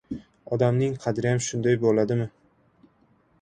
Odamning qadriyam shunday bo‘ladimi.